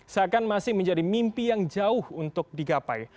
saya akan masih menjadi mimpi yang jauh untuk digapai